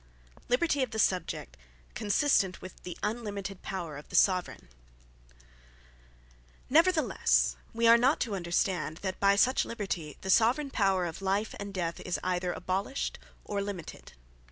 Liberty Of The Subject Consistent With Unlimited Power Of The Soveraign Neverthelesse we are not to understand, that by such Liberty, the Soveraign Power of life, and death, is either abolished, or limited.